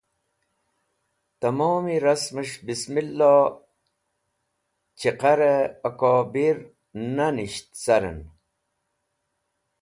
Tẽmom rasmẽs̃h bismilo cheqarẽ akobir nanisht carẽn.